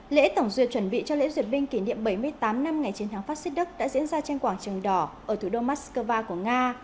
lễ tổng duyệt chuẩn bị cho lễ duyệt binh kỷ niệm bảy mươi tám năm ngày chiến thắng fascist đức đã diễn ra trên quảng trường đỏ ở thủ đô moscow của nga